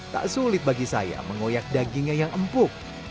tak sulit bagi saya mengoyak dagingnya yang empuk